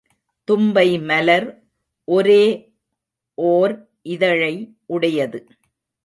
தும்பை மலர் ஒரே ஒர் இதழை உடையது.